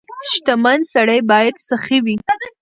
• شتمن سړی باید سخي وي.